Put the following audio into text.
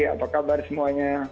apa kabar semuanya